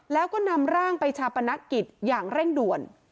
แล้วก็นำร่างไปชาปนกิจอย่างเร่งด่วน